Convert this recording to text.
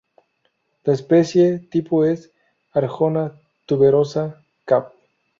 La especie tipo es: "Arjona tuberosa" Cav.